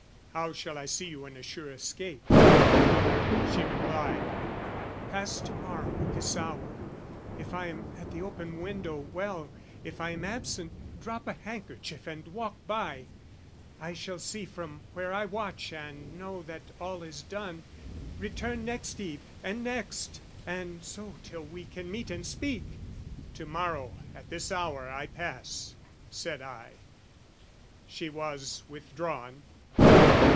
"How shall I see you and assure escape?" She replied, "Pass, to morrow at this hour. "If I am at the open window, well: "If I am absent, drop a handkerchief "And walk by! I shall see from where I watch, "And know that all is done. Return next eve, "And next, and so till we can meet and speak!" "To morrow at this hour I pass," said I. She was withdrawn.